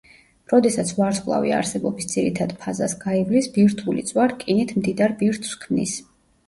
როდესაც ვარსკვლავი არსებობის ძირითად ფაზას გაივლის, ბირთვული წვა რკინით მდიდარ ბირთვს ქმნის.